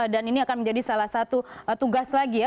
dan ini akan menjadi salah satu tugas lagi ya